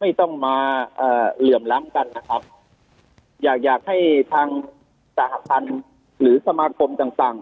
ไม่ต้องมาเหลื่อมล้ำกันนะครับอยากอยากให้ทางสหพันธ์หรือสมาคมต่างต่าง